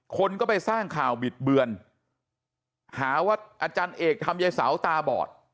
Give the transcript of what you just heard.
คนก็ไปสร้างข่าวบิดเบือนหาว่าอาจารย์เอกทำยายเสาตาบอด